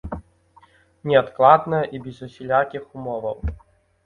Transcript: Неадкладна і без усялякіх умоваў.